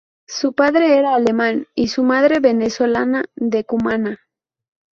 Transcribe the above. Su padre era alemán y su madre, venezolana de Cumaná.